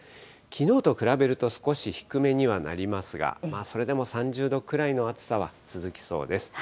きのうと比べると少し低めにはなりますが、それでも３０度くらいの暑さは続きそうです。